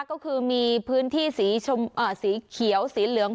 ก็คือมีพื้นที่สีชมสีเขียวสีเหลือง